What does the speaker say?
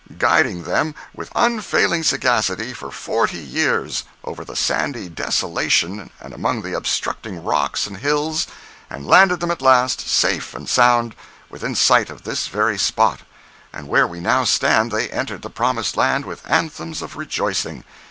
—guiding them with unfailing sagacity for forty years over the sandy desolation and among the obstructing rocks and hills, and landed them at last, safe and sound, within sight of this very spot; and where we now stand they entered the Promised Land with anthems of rejoicing!